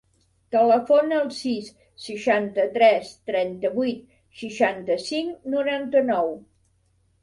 Telefona al sis, seixanta-tres, trenta-vuit, seixanta-cinc, noranta-nou.